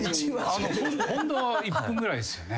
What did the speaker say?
ほんの１分ぐらいですよね。